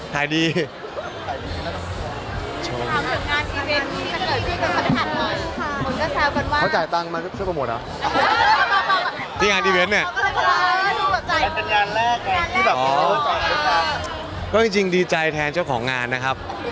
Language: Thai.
เป็นยานแรกน่ะก็ดีใจแทนเจ้าของงานนะครับ